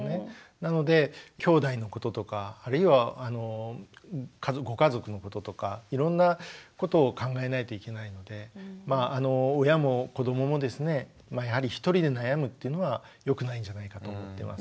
なのできょうだいのこととかあるいはご家族のこととかいろんなことを考えないといけないのでまああの親も子どももですねやはり一人で悩むっていうのはよくないんじゃないかと思ってます。